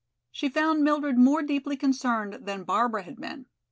She found Mildred more deeply concerned than Barbara had been.